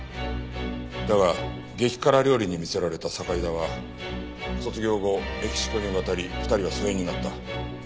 だが激辛料理に魅せられた堺田は卒業後メキシコに渡り２人は疎遠になった。